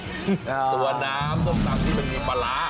ตัวน้ำที่มันมีปลาร้า